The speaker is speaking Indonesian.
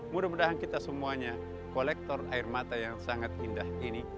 mudah mudahan kita semuanya kolektor air mata yang sangat indah ini